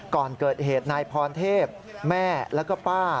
ก่อนเกิดเหตุนายพรเทพแม่แล้วก็ป้า